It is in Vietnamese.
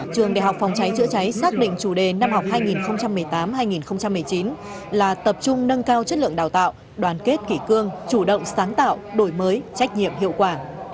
trường đại học phòng cháy chữa cháy xác định chủ đề năm học hai nghìn một mươi tám hai nghìn một mươi chín là tập trung nâng cao chất lượng đào tạo đoàn kết kỷ cương chủ động sáng tạo đổi mới trách nhiệm hiệu quả